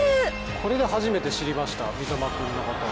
これで初めて知りました三笘君のことを。